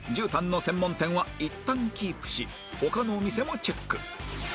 絨毯の専門店はいったんキープし他のお店もチェック